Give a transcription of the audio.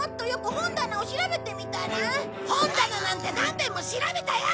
本棚なんてなんべんも調べたよ！